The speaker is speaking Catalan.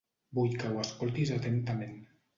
Vull que ho escoltis atentament.